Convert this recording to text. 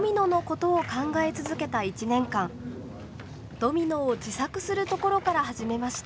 ドミノを自作するところから始めました。